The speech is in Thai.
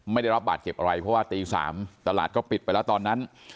ไม่ได้รับบาดเจ็บอะไรเพราะว่าตี๓ตลาดก็ปิดไปแล้วตอนนั้น